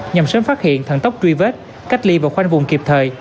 nhằm sớm phát hiện thận tốc truy vết cách ly vào khoanh vùng kịp thời